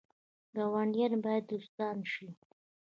ګاونډیان باید دوستان شي